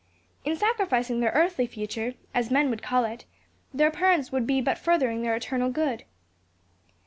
In sacrificing their earthly future, as men would call it, their parents would but be furthering their eternal good."